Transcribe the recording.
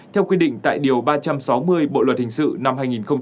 theo quyết định tại điều ba trăm sáu mươi bộ luật thình sự năm hai nghìn một mươi năm